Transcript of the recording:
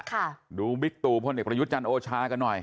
ค่ะดูบิ๊กตู่พลเอกประยุทธ์จันทร์โอชากันหน่อย